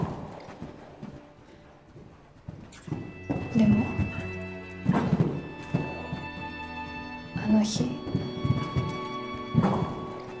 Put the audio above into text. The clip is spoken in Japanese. でもあの日。